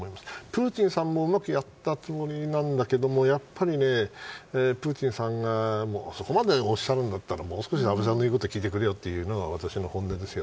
プーチンさんもうまくやったつもりだけどやっぱりプーチンさんがそこまでおっしゃるならもう少し安倍さんの言うこと聞いてくれよというのが私の本音です。